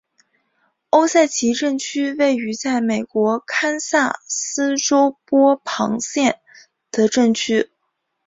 欧塞奇镇区为位在美国堪萨斯州波旁县的镇区。